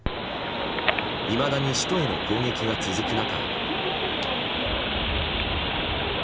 いまだに首都への攻撃が続く中。